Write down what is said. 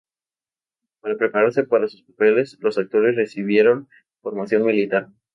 Para prepararse para sus papeles los actores recibieron formación militar.